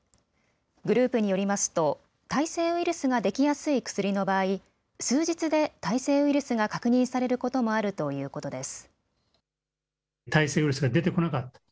グループによりますと耐性ウイルスができやすい薬の場合、数日で耐性ウイルスが確認されることもあるということです。